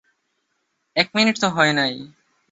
এক মিনিট তো হয় নাই।